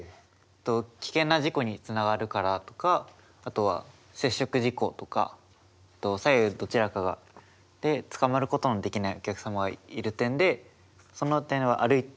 危険な事故につながるからとかあとは接触事故とか左右どちらかがでつかまることのできないお客さまがいる点でその点は歩かない方がいいなと思いました。